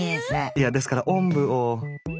いやですからおんぶを。